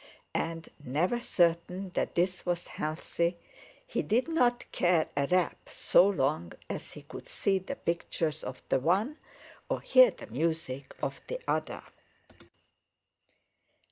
And, never certain that this was healthy, he did not care a rap so long as he could see the pictures of the one or hear the music of the other.